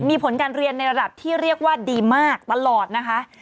มีผลการเรียนในระดับที่เรียกว่าดีมากตลอดนะคะ